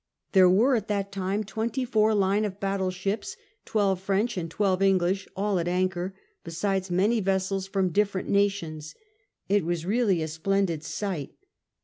There were at that time twenty four line of battle ships, twelve French and twelve English, all at anchor, besides many vessels from different nations. It was really a splendid sight.